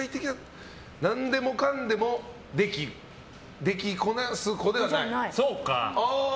何でもかんでもできこなす子ではない。